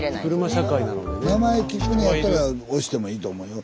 スタジオ名前聞くねやったら押してもいいと思うよ。